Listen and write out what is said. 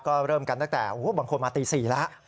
ก็เริ่มกันตั้งแต่บางคนมาตี๔แล้ว